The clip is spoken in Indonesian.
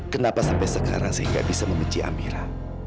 kenapa sampai sekarang saya gak bisa membenci amira